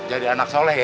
jadi anak soleh ya